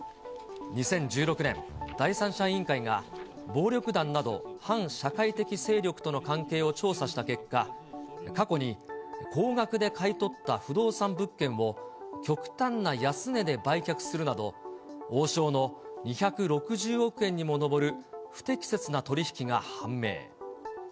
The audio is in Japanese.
２０１６年、第三者委員会が、暴力団など反社会的勢力との関係を調査した結果、過去に高額で買い取った不動産物件を、極端な安値で売却するなど、王将の２６０億円にも上る不適切な取り引きが判明。